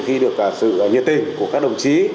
khi được sự nhiệt tình của các đồng chí